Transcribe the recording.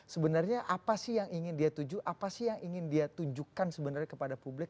sebenarnya apa sih yang ingin dia tuju apa sih yang ingin dia tunjukkan sebenarnya kepada publik